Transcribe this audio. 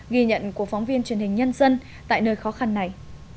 ghi nhận của phóng viên truyền hình nhân dân tại nơi khó khăn này